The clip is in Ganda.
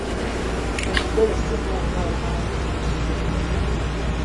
Omugole si mweru nga bwe twabadde tumusuubira.